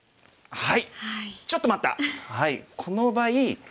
はい。